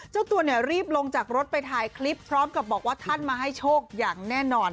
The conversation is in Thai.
เจ้าตัวเนี่ยรีบลงจากรถไปถ่ายคลิปพร้อมกับบอกว่าท่านมาให้โชคอย่างแน่นอน